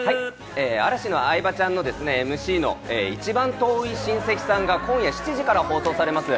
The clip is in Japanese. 嵐の相葉ちゃんのＭＣの『一番遠い親戚さん』が今夜７時から放送されます。